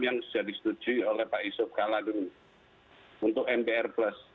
yang sudah disetujui oleh pak yusuf kalla dulu untuk mpr plus